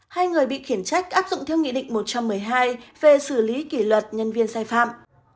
hai người bị khiển trách áp dụng theo nghị định một trăm một mươi hai về xử lý kỷ luật nhân viên sai phạm